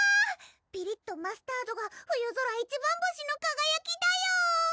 ピリッとマスタードが冬空一番星のかがやきだよ！